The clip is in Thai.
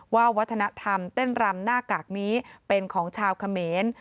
วัฒนธรรมเต้นรำหน้ากากนี้เป็นของชาวเขมร